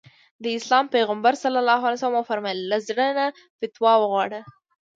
د اسلام پيغمبر ص وفرمايل له زړه نه فتوا وغواړه.